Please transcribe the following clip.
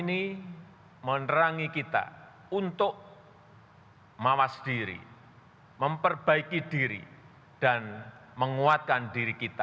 tetapi juga terjadi